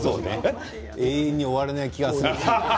永遠に終わらない気がする。